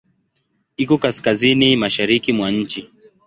Iko kaskazini-mashariki mwa nchi.